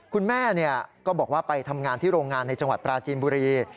คุณแม่ก็บอกว่าไปทำงานที่โรงงานในจังหวัดปราจีนบุรี